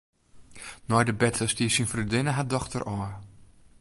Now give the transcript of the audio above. Nei de berte stie syn freondinne har dochter ôf.